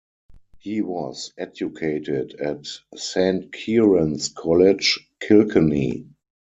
He was educated at Saint Kieran's College, Kilkenny.